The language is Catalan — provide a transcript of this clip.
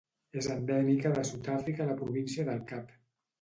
És endèmica de Sud-àfrica a la Província del Cap.